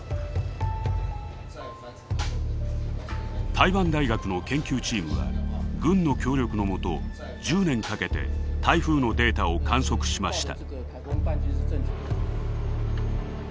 台湾大学の研究チームは軍の協力のもと１０年かけて台風のデータを観測しました。